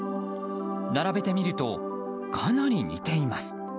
並べてみると、かなり似ています。